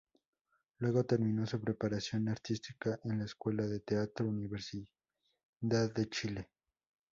Luego terminó su preparación artística en la Escuela de Teatro Universidad de Chile.